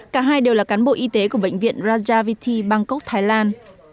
cả hai đều là cán bộ y tế của bệnh viện rajaviti bangkok thái lan